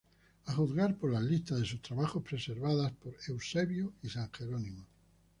A juzgar por las listas de sus trabajos preservadas por Eusebio y san Jerónimo.